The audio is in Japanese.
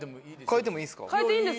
変えてもいいですか？